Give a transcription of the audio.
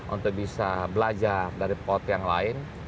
untuk bisa belajar dari pot yang lain